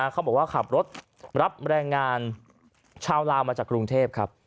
เขาบอกว่าขับรถรับแรงงานชาวลาวมาจากกรุงเทพครับ